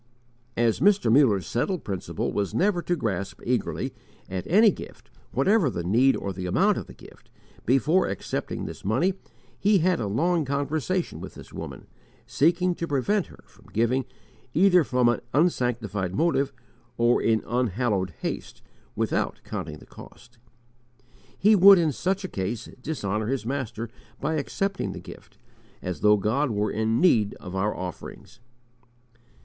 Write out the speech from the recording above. As Mr. Muller's settled principle was never to grasp eagerly at any gift whatever the need or the amount of the gift, before accepting this money he had a long conversation with this woman, seeking to prevent her from giving either from an unsanctified motive or in unhallowed haste, without counting the cost. He would in such a case dishonour his Master by accepting the gift, as though God were in need of our offerings.